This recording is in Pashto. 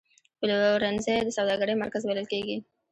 پلورنځی د سوداګرۍ مرکز بلل کېږي.